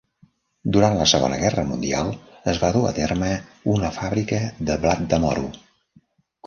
Durant la Segona Guerra Mundial es va dur a terme una fàbrica de blat de moro.